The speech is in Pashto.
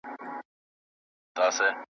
چي تمام دېوان یې له باریکیو ډک دی .